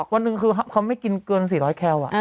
วันหนึ่งคือเขาไม่กินเกิน๔๐๐แคล